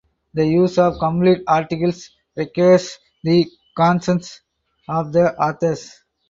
The use of complete articles requires the consent of the authors.